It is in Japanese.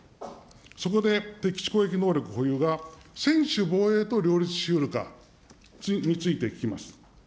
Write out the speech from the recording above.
そこで敵基地攻撃能力保有が専守防衛と両立しうるかについて聞きます。